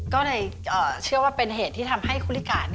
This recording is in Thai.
ก็เลยเชื่อว่าเป็นเหตุที่ทำให้คุลิกา